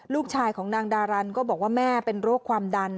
ลูกชายของนางดารันก็บอกว่าแม่เป็นโรคความดัน